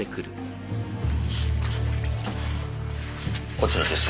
こちらです。